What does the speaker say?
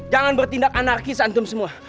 jangan bertindak anarkis antum semua